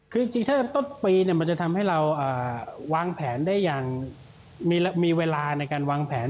คือจริงถ้าต้นปีมันจะทำให้เราวางแผนได้อย่างมีเวลาในการวางแผน